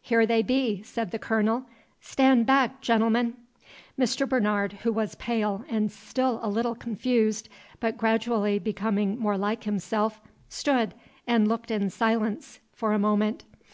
"Here they be," said the Colonel. "Stan' beck, gentlemen!" Mr. Bernard, who was pale and still a little confused, but gradually becoming more like himself, stood and looked in silence for a moment.